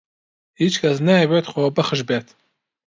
هیچ کەس نایەوێت خۆبەخش بێت.